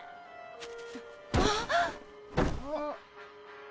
あっ。